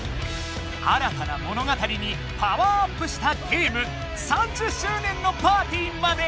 新たな物語にパワーアップしたゲーム３０周年のパーティーまで！